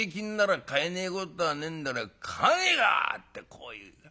こう言う。